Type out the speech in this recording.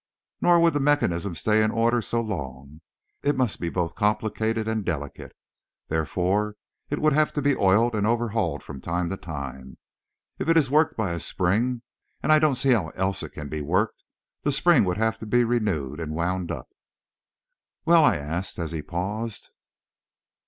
Nor would the mechanism stay in order so long. It must be both complicated and delicate. Therefore it would have to be oiled and overhauled from time to time. If it is worked by a spring and I don't see how else it can be worked the spring would have to be renewed and wound up." "Well?" I asked, as he paused.